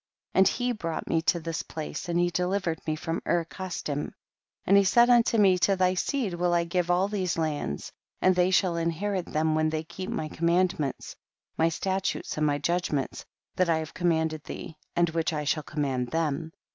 24. And he brought me to this place, and he delivered me from Ur Casdim ; and he said unto me, to thy seed will I give all these lands, and they shall inherit them when they keep my commandments, my statutes and my judgments that I have commanded thee, and which I shall command them.